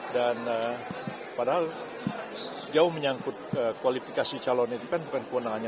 dan padahal jauh menyangkut kualifikasi calon itu kan bukan kewenangannya